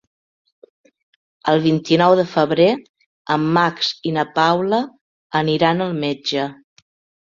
El vint-i-nou de febrer en Max i na Paula aniran al metge.